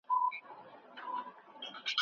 ایا په پوهنتونونو کې ادبي کانونونه شته؟